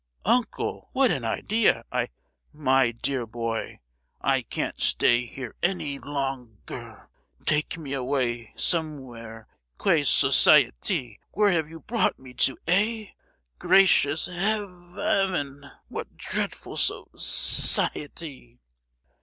"Uncle, what an idea, I——!" "My dear boy, I can't stay here any lon—ger, take me away somewhere—quelle société! Where have you brought me to, eh?—Gracious Hea—eaven, what dreadful soc—iety!"